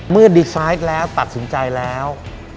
เมื่อดีไซด์แล้วตัดสินใจแล้ว